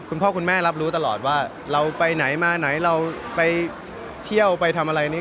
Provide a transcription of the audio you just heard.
คุณพ่อคุณแม่รับรู้ตลอดว่าเราไปไหนมาไหนเราไปเที่ยวไปทำอะไรนี้